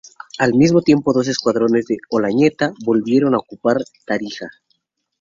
Al mismo tiempo dos escuadrones de Olañeta volvieron a ocupar Tarija.